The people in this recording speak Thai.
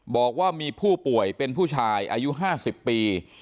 บอกว่ามีผู้ป่วยเป็นผู้ชายอายุ๕๐ปี